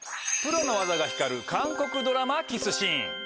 プロの技が光る韓国ドラマキスシーン。